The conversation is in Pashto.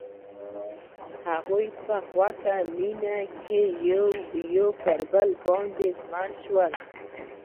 هغوی په خوښ مینه کې پر بل باندې ژمن شول.